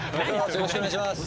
よろしくお願いします